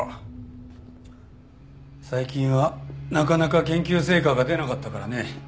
最近はなかなか研究成果が出なかったからね。